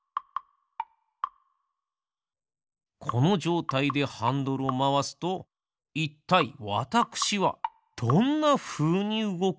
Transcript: このじょうたいでハンドルをまわすといったいわたくしはどんなふうにうごくのでしょう？